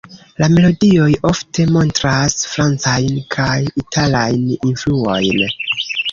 La melodioj ofte montras Francajn kaj Italajn influojn.